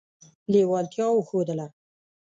لېوالتیا وښودله.